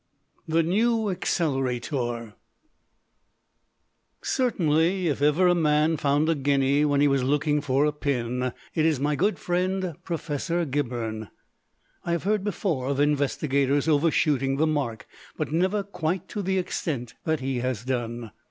THE NEW ACCELERATOR Certainly, if ever a man found a guinea when he was looking for a pin it is my good friend Professor Gibberne. I have heard before of investigators overshooting the mark, but never quite to the extent that he has done.